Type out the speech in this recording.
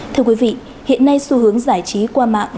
thưa quý vị hiện nay xu hướng giải trí qua mạng